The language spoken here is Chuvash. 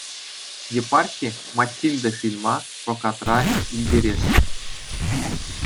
Епархи «Матильда» фильма прокартра илтересшӗн.